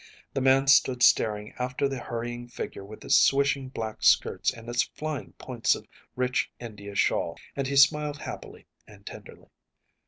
The man stood staring after the hurrying figure with its swishing black skirts and its flying points of rich India shawl, and he smiled happily and tenderly.